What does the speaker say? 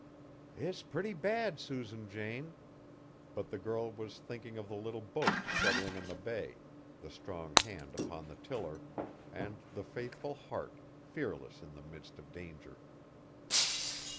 "It's pretty bad, Susan Jane!" But the girl was thinking of the little boat struggling on the bay, the strong hand upon the tiller, and the faithful heart, fearless in the midst of danger.